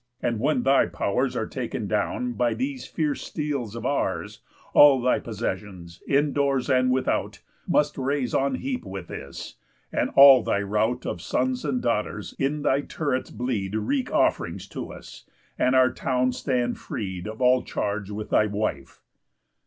And when thy pow'rs Are taken down by these fierce steels of ours, All thy possessions, in doors and without, Must raise on heap with his; and all thy rout Of sons and daughters in thy turrets bleed Wreak off'rings to us; and our town stand freed Of all charge with thy wife."